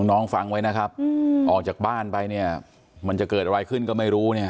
น้องฟังไว้นะครับออกจากบ้านไปเนี่ยมันจะเกิดอะไรขึ้นก็ไม่รู้เนี่ย